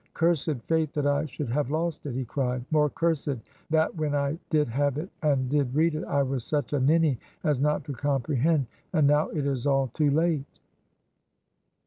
"Cursed fate that I should have lost it" he cried; "more cursed, that when I did have it, and did read it, I was such a ninny as not to comprehend; and now it is all too late!"